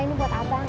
ini buat abang